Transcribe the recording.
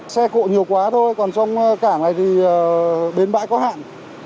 xe cộ nhiều quá thôi còn trong cảng này thì bến bãi có hạn